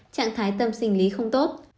trạng thái tâm sinh lý không tốt